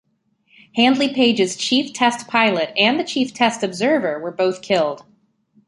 Handley Page's chief test pilot and the chief test observer were both killed.